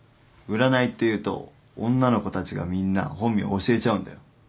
占いっていうと女の子たちがみんな本名教えちゃうんだよ。